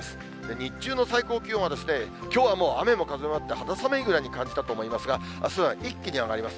日中の最高気温は、きょうはもう雨も風もあって、肌寒いぐらいに感じたと思いますが、あすは一気に上がります。